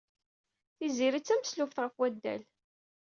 Tiziri d tameslubt ɣef waddal.